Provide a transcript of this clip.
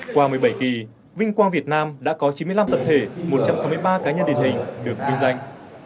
qua một mươi bảy kỳ vinh quang việt nam đã có chín mươi năm tập thể một trăm sáu mươi ba cá nhân điển hình được vinh danh